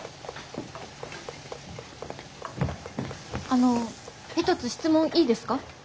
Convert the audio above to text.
あの一つ質問いいですか？